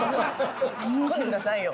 ツッコんでくださいよ！